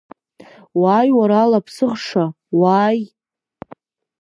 Уааи уара алаԥсыхша, уааи!